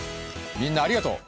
みんなありがとう！